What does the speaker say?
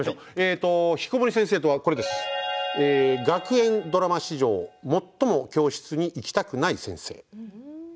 ひきこもり先生とは学園ドラマ史上最も教室に行きたくない先生。